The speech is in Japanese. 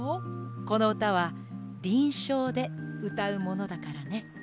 このうたはりんしょうでうたうものだからね。